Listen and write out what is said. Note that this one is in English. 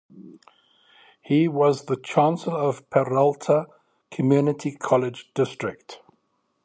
He was the Chancellor of Peralta Community College District.